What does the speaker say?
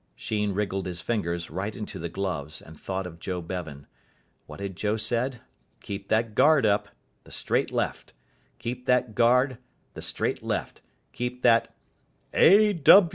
Sheen wriggled his fingers right into the gloves, and thought of Joe Bevan. What had Joe said? Keep that guard up. The straight left. Keep that guard the straight left. Keep that "A.